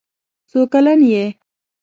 څو کلن یې؟